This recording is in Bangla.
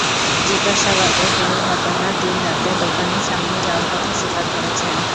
জিজ্ঞাসাবাদে তিনি ঘটনার দিন রাতে দোকানের সামনে যাওয়ার কথা স্বীকার করেছেন।